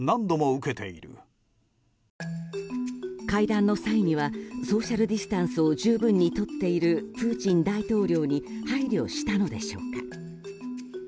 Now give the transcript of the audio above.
会談の際にはソーシャルディスタンスを十分にとっているプーチン大統領に配慮したのでしょうか。